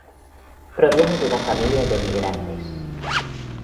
Proviene de una familia de migrantes.